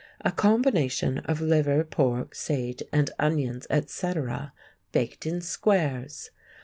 —a combination of liver, pork, sage and onions, etc., baked in squares.